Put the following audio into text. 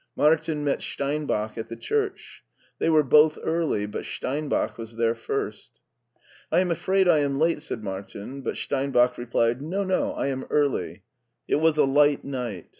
Martin met Steinbach at the church. They were both early, but Steinbach was there first. I am afraid I am late," said Martin ; but Stein bach replied, " No, no, I am early." It was a light night.